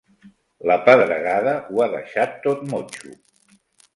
La pedregada ho ha deixat tot motxo.